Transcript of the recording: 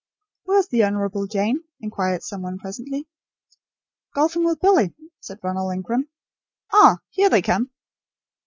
"Where is the Honourable Jane?" inquired someone presently. "Golfing with Billy," said Ronald Ingram. "Ah, here they come."